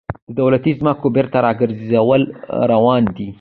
د دولتي ځمکو بیرته راګرځول روان دي